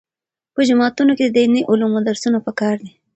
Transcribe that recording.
په جوماتونو کې د دیني علومو درسونه پکار دي.